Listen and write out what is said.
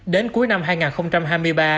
đến cuối năm hai nghìn hai mươi ba